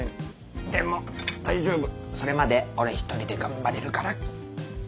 でも大丈夫それまで俺１人で頑張れるから。